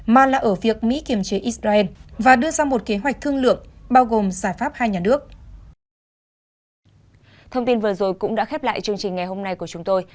mà là ở việc mỹ kiềm chế israel và đưa ra một kế hoạch thương lượng bao gồm giải pháp hai nhà nước